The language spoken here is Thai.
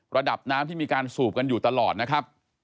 ระดับน้ำที่มีการสูบกันอยู่ตลอดนะครับ